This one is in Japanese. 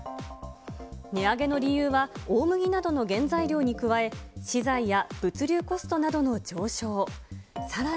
値上げの理由は、大麦などの原材料に加え、資材や物流コストなどの上昇。